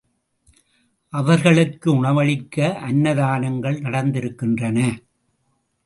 அவர்களுக்கு உணவளிக்க அன்ன தானங்கள் நடத்திருக்கின்றன.